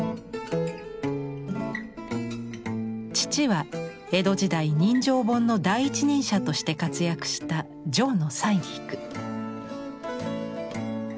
父は江戸時代人情本の第一人者として活躍した條野採菊。